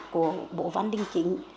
của bố văn đình chính